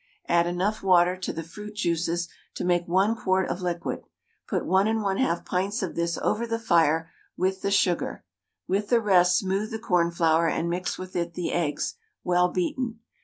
Add enough water to the fruit juices to make 1 quart of liquid; put 1 1/2 pints of this over the fire with the sugar. With the rest smooth the cornflour and mix with it the eggs, well beaten.